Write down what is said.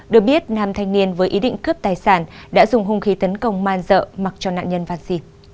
được biết nam thanh niên với ý định cướp tài sản đã dùng hung khí tấn công man dợ mặc cho nạn nhân văn xì